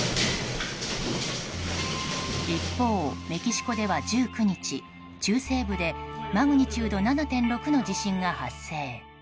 一方、メキシコでは１９日、中西部でマグニチュード７．６の地震が発生。